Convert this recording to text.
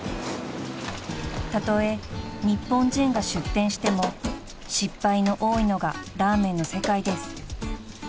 ［たとえ日本人が出店しても失敗の多いのがラーメンの世界です］